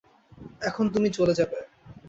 এখন তুমি চলে যাবে।